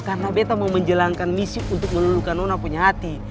karena beta mau menjelangkan misi untuk melulukan nona punya hati